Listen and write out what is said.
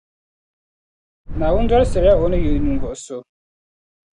Naawuni dolsirila O ni yu ninvuɣu so.